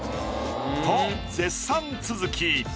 と絶賛続き。